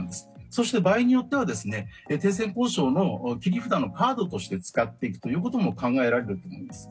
そして、場合によっては停戦交渉の切り札のカードとして使っていくということも考えられると思います。